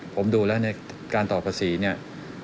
ผมดูแล้วในการต่อภาษีเนี่ย